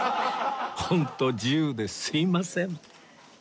ホント自由ですみません